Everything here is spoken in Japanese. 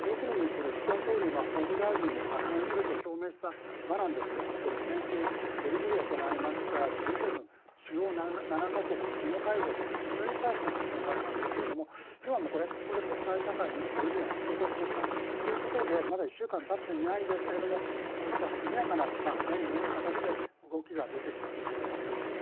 これは岸田総理、法務大臣も派遣すると表明した場なんですが、先週、ベルギーで行われましたＧ７＝主要７か国首脳会合、それに際しての発言だったんですけどここで国際社会にこういうふうな約束をしましたということでまだ１週間たっていないんですけどこういう速やかな目に見える形で動きが出てきたということです。